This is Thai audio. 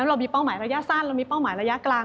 เรามีเป้าหมายระยะสั้นเรามีเป้าหมายระยะกลาง